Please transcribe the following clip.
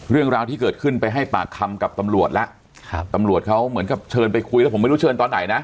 เรื่องราวที่เกิดขึ้นไปให้ปากคำกับตำรวจแล้วครับตำรวจเขาเหมือนกับเชิญไปคุยแล้วผมไม่รู้เชิญตอนไหนนะ